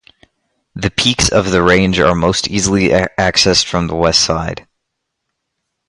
The peaks of the range are most easily accessed from the west side.